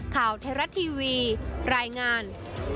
ข่าวเทราะทีวีรายงาน